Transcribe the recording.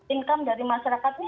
income dari masyarakatnya